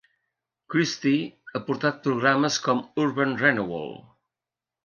Christie ha portat programes com Urban Renewal.